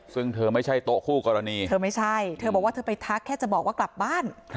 ซึ่งเธอไม่ใช่โต๊ะคู่กรณีเธอไม่ใช่เธอบอกว่าเธอไปทักแค่จะบอกว่ากลับบ้าน